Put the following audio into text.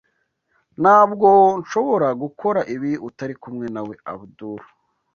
Ntabwo nshobora gukora ibi utari kumwe nawe, Abdul.